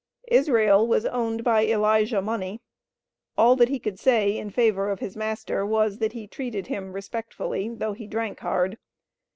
Israel was owned by Elijah Money. All that he could say in favor of his master was, that he treated him "respectfully," though he "drank hard."